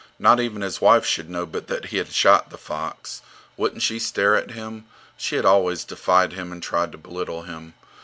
Not even his wife should know but that he had shot the fox. Wouldn't she stare at him? She had always defied him and tried to belittle him.